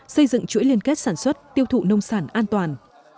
xây dựng chuỗi liên kết sản xuất tiêu thụ nông sản an toàn